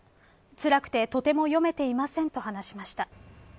つらくて、とても読めていませんと話しました。